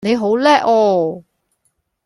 你好叻啊